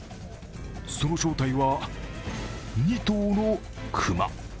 その正体は、２頭の熊。